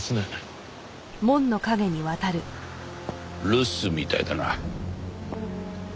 留守みたいだな。